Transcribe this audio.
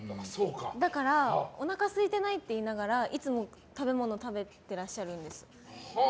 だから、おなかすいてないって言いながらいつも食べ物食べていらっしゃるんです。